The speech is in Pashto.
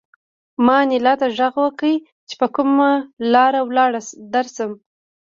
ما انیلا ته غږ وکړ چې په کومه لاره درشم